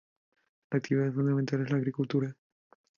La actividad fundamental es la agricultura.